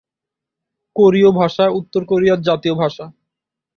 কোরীয় ভাষা উত্তর কোরিয়ার জাতীয় ভাষা।